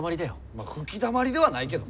まあ吹きだまりではないけどな。